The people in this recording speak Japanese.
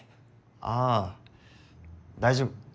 ああ大丈夫。